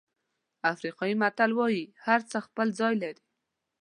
افریقایي متل وایي هرڅه خپل ځای لري.